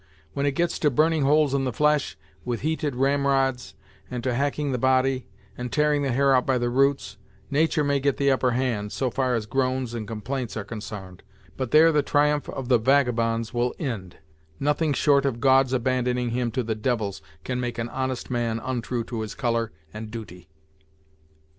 When it gets to burning holes in the flesh, with heated ramrods, and to hacking the body, and tearing the hair out by the roots, natur' may get the upperhand, so far as groans, and complaints are consarned, but there the triumph of the vagabonds will ind; nothing short of God's abandoning him to the devils can make an honest man ontrue to his colour and duty."